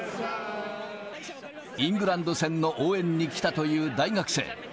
イングランド戦の応援に来たという大学生。